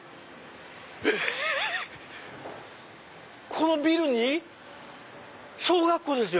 このビルに⁉小学校ですよ！